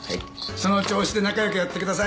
その調子で仲良くやってください。